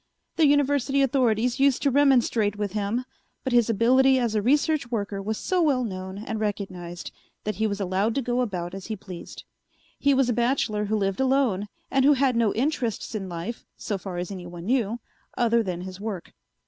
The University authorities used to remonstrate with him, but his ability as a research worker was so well known and recognized that he was allowed to go about as he pleased. He was a bachelor who lived alone and who had no interests in life, so far as anyone knew, other than his work.